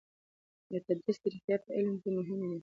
د تدریس طریقی په علم کې مهمې دي.